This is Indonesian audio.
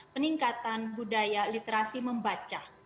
peningkatan budaya literasi membaca